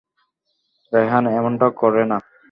রেহান এমনটা করে না।